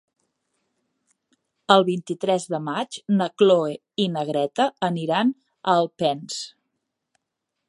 El vint-i-tres de maig na Cloè i na Greta aniran a Alpens.